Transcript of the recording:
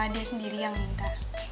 dia sendiri yang minta